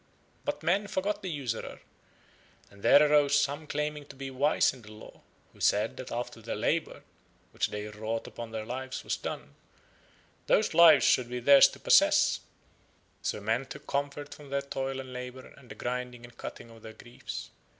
But men forgot the usurer, and there arose some claiming to be wise in the Law, who said that after their labour, which they wrought upon their Lives, was done, those Lives should be theirs to possess; so men took comfort from their toil and labour and the grinding and cutting of their griefs.